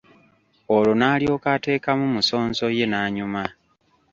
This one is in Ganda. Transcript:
Olwo n'alyoka ateekamu musonso ye n'anyuma.